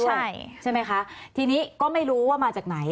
ใช่ใช่ไหมคะทีนี้ก็ไม่รู้ว่ามาจากไหน